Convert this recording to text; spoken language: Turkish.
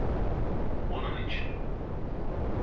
Onun için…